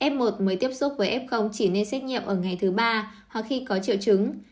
f một mới tiếp xúc với f chỉ nên xét nghiệm ở ngày thứ ba hoặc khi có triệu chứng